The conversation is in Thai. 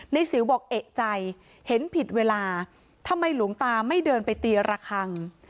สิวบอกเอกใจเห็นผิดเวลาทำไมหลวงตาไม่เดินไปตีระคัง